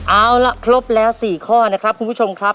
เอาล่ะครบแล้ว๔ข้อนะครับคุณผู้ชมครับ